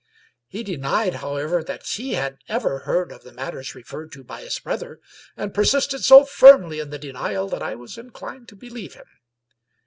He denied^ however, that he had ever heard of the matters referred, to by his brother, and persisted so firmly in the denial that I was inclined to believe him.